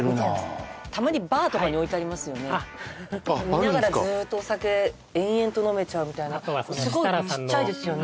見ながらずっとお酒延々と飲めちゃうみたいなあとはそのすごいちっちゃいですよね